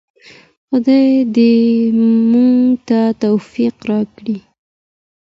خدای دې موږ ته توفیق راکړي.